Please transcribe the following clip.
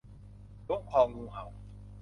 ล้วงคองูเห่า